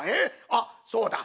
あっそうだ。